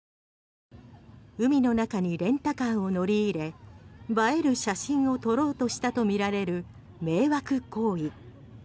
海の中にレンタカーを乗り入れ映える写真を撮ろうとしたとみられる迷惑行為。